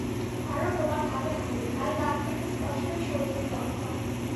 তারও প্রমাণ হাতে হাতে, কাল রাত থেকে স্পষ্টই সর্দির লক্ষণ।